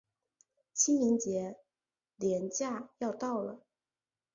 清明节连假要到了